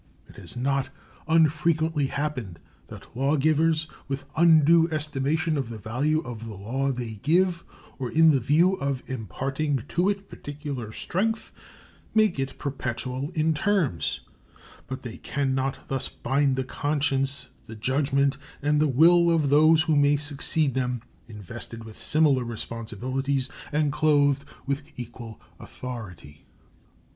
It has not unfrequently happened that lawgivers, with undue estimation of the value of the law they give or in the view of imparting to it peculiar strength, make it perpetual in terms; but they can not thus bind the conscience, the judgment, and the will of those who may succeed them, invested with similar responsibilities and clothed with equal authority.